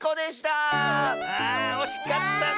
あおしかったね。